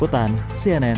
untuk yang berkualitas